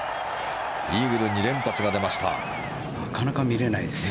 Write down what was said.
イーグル２連発が出ました。